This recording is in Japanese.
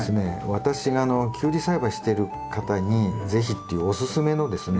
私がキュウリ栽培をしている方に是非っていうおすすめのですね